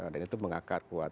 dan itu mengakar kuat